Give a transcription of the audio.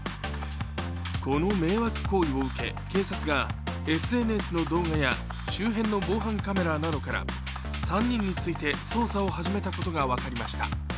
この迷惑行為を受け、警察はＳＮＳの動画や、周辺の防犯カメラなどから３人について捜査を始めたことが分かりました。